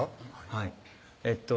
はいえっと